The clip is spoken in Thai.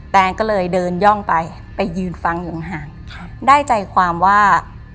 แนนก็เลยเดินย่องไปไปยืนฟังอยู่ห่างห่างได้ใจความว่า